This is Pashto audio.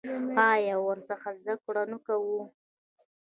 آیا او ورڅخه زده کړه نه کوو؟